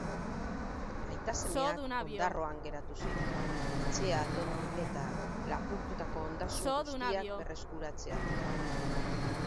Aita-semeak Ondarroan geratu ziren, etxea atondu eta lapurtutako ondasun guztiak berreskuratze aldera.